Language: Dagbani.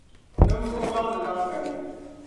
ninvuɣ’ maŋli lan kani.